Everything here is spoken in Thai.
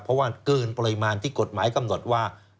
เพราะว่าเกินปริมาณที่กฎหมายกำหนดว่า